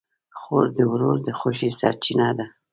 خور د ورور د خوښۍ سرچینه ده.